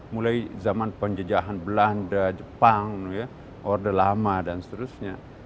mulai zaman penjejahan belanda jepang orde lama dan seterusnya